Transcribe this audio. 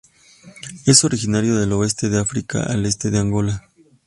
Es originario del oeste de África al este de Angola.